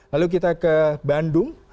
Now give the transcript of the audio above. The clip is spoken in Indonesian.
lalu kita ke bandung